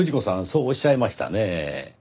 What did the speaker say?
そうおっしゃいましたねぇ。